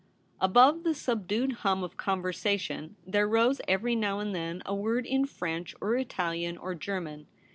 Above the subdued hum of conversation there rose every now and then a word in French or Italian or German.